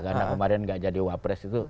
karena kemarin gak jadi wapres itu